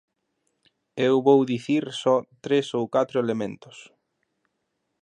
Eu vou dicir só tres ou catro elementos.